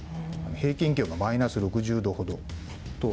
平均気温がマイナス６０度ほどと。